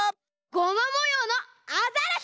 ゴマもようのアザラシ！